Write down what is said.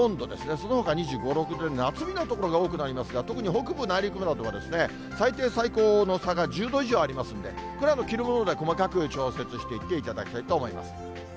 そのほか２５、６度、夏日の所が多くなりますが、とくに北部内陸部などは最低、最高の差が１０度以上ありますので、これは着るもので細かく調節していっていただきたいと思います。